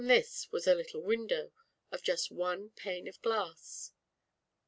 this was a little window, of just one ane of glass.